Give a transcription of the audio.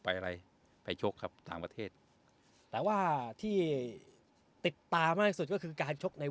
อะไรไปชกครับต่างประเทศแต่ว่าที่ติดตามากที่สุดก็คือการชกใน